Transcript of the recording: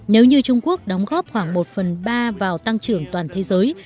nếu như trung quốc đóng góp khoảng một phần ba vào tăng trưởng toàn thế giới